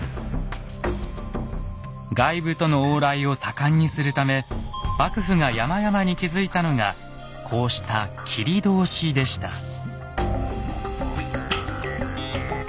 外部との往来を盛んにするため幕府が山々に築いたのがこうした切通でした。